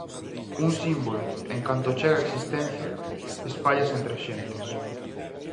Un símbolo, en canto chega á existencia, espállase entre as xentes.